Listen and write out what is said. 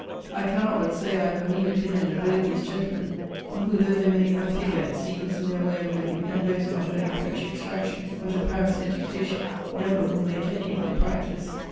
I cannot but say I have a mean opinion of both these gentlemen, who, though they make a figure, it seems, in their way of living, and boast not only French extraction, but a Paris education, never will make any in their practice.